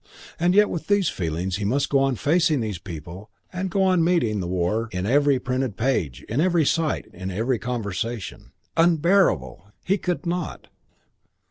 And yet with these feelings he must go on facing these people and go on meeting the war in every printed page, in every sight, in every conversation. Unbearable! He could not.